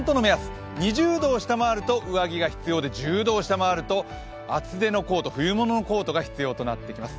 ２０度を下回ると上着が必要で、１０度を下回ると厚手のコート、冬物のコートが必要となってきます。